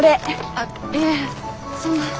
あっいえそんな。